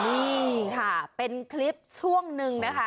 นี่ค่ะเป็นคลิปช่วงหนึ่งนะคะ